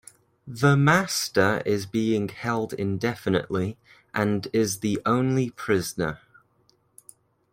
The Master is being held indefinitely and is the only prisoner.